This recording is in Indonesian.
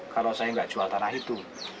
kalau saya nggak jual tanah itu